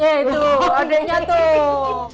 yeay tuh adeknya tuh